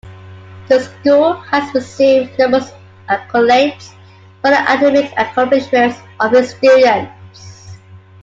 The school has received numerous accolades for the academic accomplishments of its students.